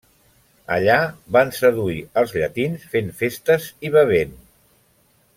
Allà van seduir els llatins fent festes i bevent.